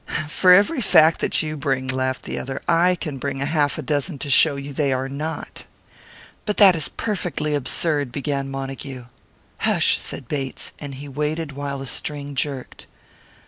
"For every fact that you bring," laughed the other, "I can bring half a dozen to show you they are not." "But that is perfectly absurd!" began Montague. "Hush," said Bates, and he waited while the string jerked.